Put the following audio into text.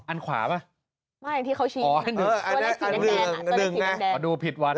อันขวาป่ะไม่ที่เขาชีพนะ